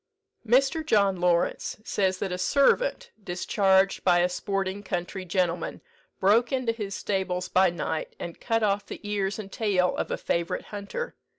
Mr. John Lawrence, says that a servant, discharged by a sporting country gentleman, broke into his stables by night, and cut off the ears and tail of a favourite hunter.